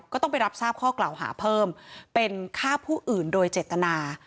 ก็ต้องไปรับทราบข้อกล่าวหาเพิ่มเป็นฆ่าผู้อื่นโดยเจตนา